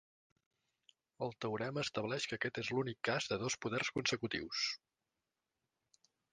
El teorema estableix que aquest és l'"únic" cas de dos poders consecutius.